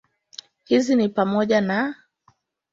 Hizi ni pamoja na